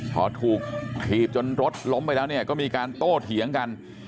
พอถูกถีบจนรถล้มไปแล้วเนี่ยก็มีการโต้เถียงกัน